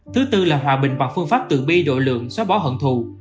thứ bốn là hòa bình bằng phương pháp tượng bi đội lượng xóa bỏ hận thù